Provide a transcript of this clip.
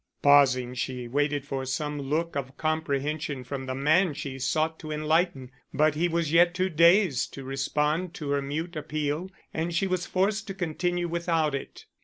Pausing, she waited for some look of comprehension from the man she sought to enlighten. But he was yet too dazed to respond to her mute appeal, and she was forced to continue without it.